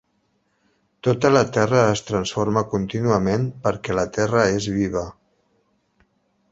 Tot a la Terra es transforma contínuament, perquè la Terra és viva.